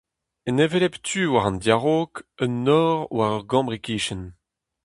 En hevelep tu war an diaraog, un nor war ur gambr e-kichen.